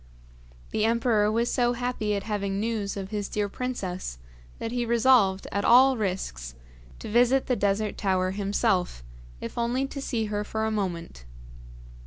The emperor was so happy at having news of his dear princess, that he resolved, at all risks, to visit the Desert Tower himself, if only to see her for a moment.